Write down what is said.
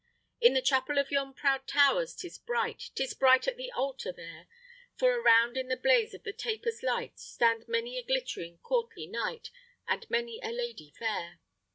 In the chapel of yon proud towers 'tis bright, 'Tis bright at the altar there; For around in the blaze of the tapers' light Stand many a glittering, courtly knight, And many a lady fair.